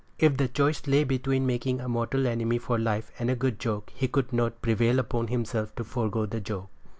If the choice lay between making a mortal enemy for life and a good joke, he could not prevail upon himself to forego the joke.